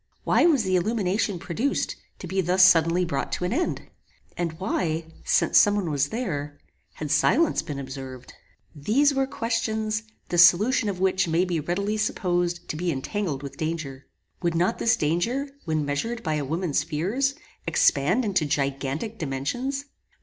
Why was the illumination produced, to be thus suddenly brought to an end? And why, since some one was there, had silence been observed? These were questions, the solution of which may be readily supposed to be entangled with danger. Would not this danger, when measured by a woman's fears, expand into gigantic dimensions?